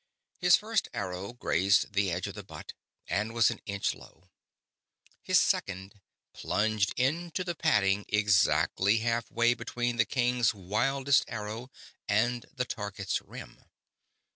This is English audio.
His first arrow grazed the edge of the butt and was an inch low; his second plunged into the padding exactly half way between the king's wildest arrow and the target's rim.